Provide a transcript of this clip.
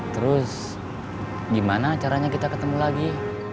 terus gimana caranya kita ketemu lagi